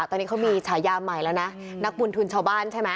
ตอนนี้เขามีฉายาใหม่แล้วนะนักบุญทุนชาวบ้านใช่ไหม